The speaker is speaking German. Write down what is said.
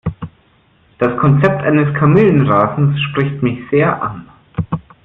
Das Konzept eines Kamillenrasens spricht mich sehr an.